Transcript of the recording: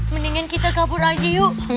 mendingin kita kabur aja yuk